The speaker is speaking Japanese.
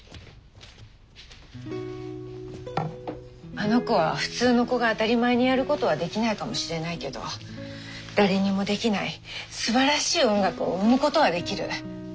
あの子は普通の子が当たり前にやることはできないかもしれないけど誰にもできないすばらしい音楽を生むことはできる。